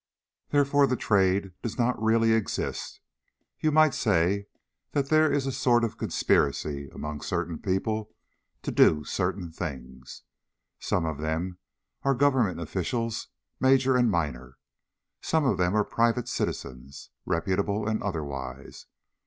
Therefore the Trade does not really exist. You might say that there is a sort of conspiracy among certain people to do certain things. Some of them are government officials, major and minor. Some of them are private citizens, reputable and otherwise.